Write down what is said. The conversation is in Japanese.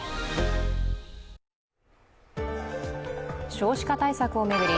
少子化対策を巡り